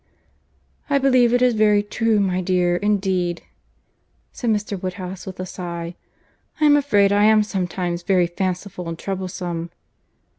"I believe it is very true, my dear, indeed," said Mr. Woodhouse, with a sigh. "I am afraid I am sometimes very fanciful and troublesome."